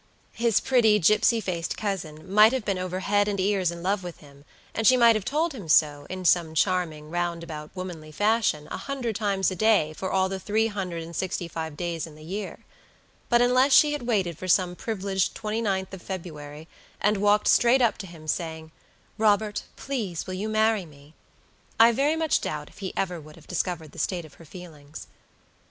His pretty, gipsy faced cousin might have been over head and ears in love with him; and she might have told him so, in some charming, roundabout, womanly fashion, a hundred times a day for all the three hundred and sixty five days in the year; but unless she had waited for some privileged 29th of February, and walked straight up to him, saying, "Robert, please will you marry me?" I very much doubt if he would ever have discovered the state of her feelings.